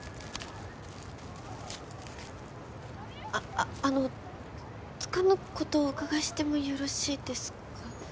ああのつかぬことをお伺いしてもよろしいですか？